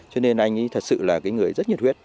cho nên anh ấy thật sự là cái người rất nhiệt huyết